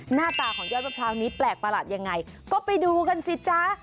หน้าตาของยอดมะพร้าวนี้แปลกประหลาดยังไงก็ไปดูกันสิจ๊ะ